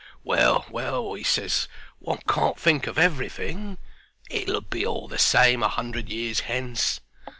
"Well, well," he ses, "one can't think of everything. It'll be all the same a hundred years hence."